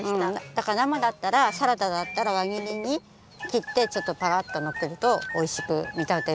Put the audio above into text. だからなまだったらサラダだったらわ切りに切ってちょっとパラッとのっけるとおいしくみたてもよくなります。